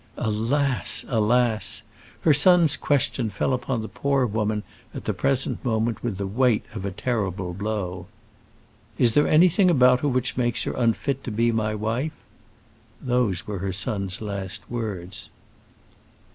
Alas! alas! her son's question fell upon the poor woman at the present moment with the weight of a terrible blow. "Is there anything about her which makes her unfit to be my wife?" Those were her son's last words.